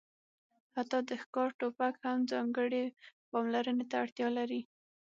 حتی د ښکار ټوپک هم ځانګړې پاملرنې ته اړتیا لري